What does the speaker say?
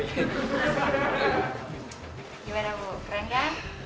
gimana bu keren kan